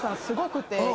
すごくて。